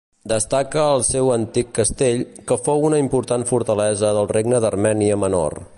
Destaca el seu antic castell, que fou una important fortalesa del Regne d'Armènia Menor.